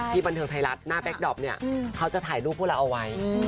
ที่บันเทิงไทรรัสหน้าแป๊คด็อปเนี้ยเขาจะถ่ายรูปผู้เราเอาไว้